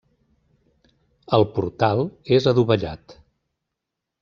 El portal és adovellat.